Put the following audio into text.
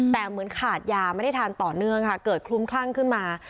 แต่เหมือนขาดยาไม่ได้ทานต่อเนื่องค่ะเกิดคลุ้มคลั่งขึ้นมา